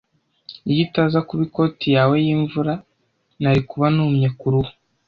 Iyo itaza kuba ikoti yawe yimvura, nari kuba numye kuruhu.